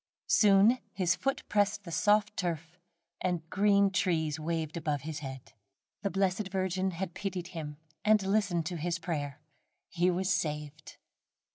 Soon his foot pressed the soft turf, and green trees waved above his head. The blessed Virgin had pitied him and listened to his prayer. He was saved.